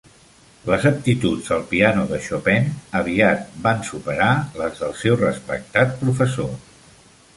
Les aptituds al piano de Chopin aviat van superar les del seu respectat professor.